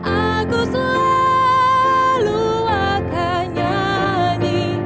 aku selalu akan nyanyi